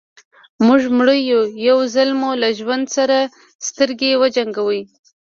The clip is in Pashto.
موږ مړه يو يو ځل مو له ژوند سره سترګې وجنګوئ.